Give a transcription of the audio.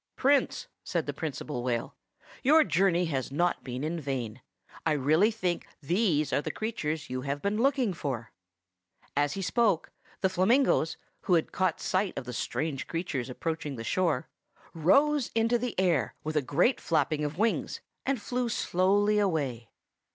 "Prince," said the Principal Whale, "your journey has not been in vain. I really think these are the creatures you have been looking for." As he spoke, the flamingoes, who had caught sight of the strange creatures approaching the shore, rose into the air, with a great flapping of wings, and flew slowly away.